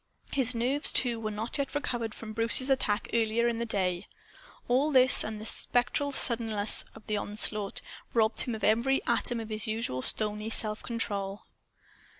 His nerves, too, were not yet recovered from Bruce's attack earlier in the day. All this, and the spectral suddenness of the onslaught, robbed him of every atom of his usual stony self control.